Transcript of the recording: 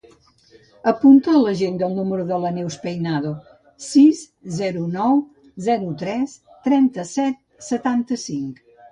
Apunta a l'agenda el número de la Neus Peinado: sis, zero, nou, zero, tres, trenta-set, setanta-cinc.